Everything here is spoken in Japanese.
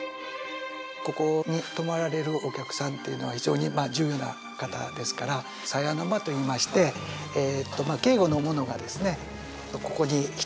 ここに泊まられるお客さんっていうのは非常に重要な方ですから鞘の間といいましてえっとまあ警護の者がです